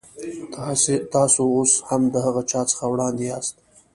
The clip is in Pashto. تاسو اوس هم د هغه چا څخه وړاندې یاست.